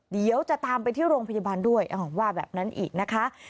เดี๋ยวจะตามไปที่โรงพยาบาลด้วยว่าแบบนั้นอีกนะคะ